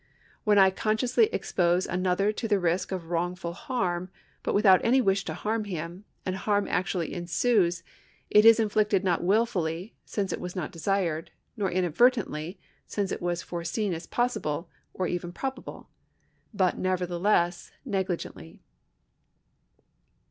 When I consciously expose another to the risk of wrongful harm, but without any wish to harm him, and harm actually ensues, it is inflicted not wilfully, since it was not desired, nor inadvertently, since it was foreseen as possible or even probable, but nevertheless negligently.